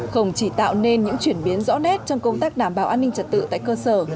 không chỉ tạo nên những chuyển biến rõ nét trong công tác đảm bảo an ninh trật tự tại cơ sở